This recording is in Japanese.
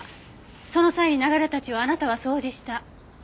その際に流れた血をあなたは掃除した。